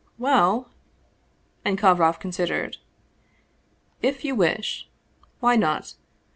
Well" And Kovroff considered; "if you wish. Why not